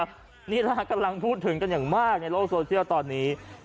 นี่แหละกำลังพูดถึงกันอย่างมากในโลกโซเชียลตอนนี้